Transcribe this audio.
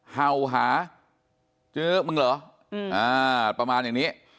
เห่าหาจื้อมึงเหรอประมาณอย่างนี้